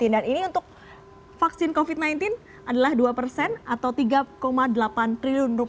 dan ini untuk vaksin covid sembilan belas adalah dua persen atau rp tiga delapan triliun